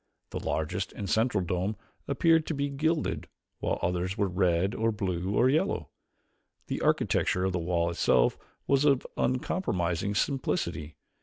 The largest and central dome appeared to be gilded, while others were red, or blue, or yellow. The architecture of the wall itself was of uncompromising simplicity.